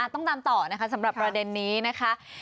ต้องตามต่อนะคะสำหรับประเด็นนี้นะคะ